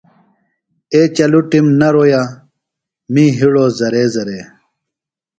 اے چلُٹم نہ رُویہ می ہِڑو زرے زرے۔